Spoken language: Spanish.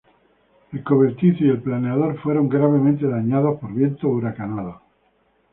El cobertizo y el planeador fueron gravemente dañados por vientos huracanados.